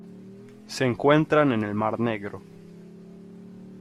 Se encuentra en el Mar Negro.